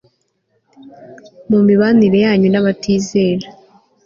Mu mibanire yanyu nabatizera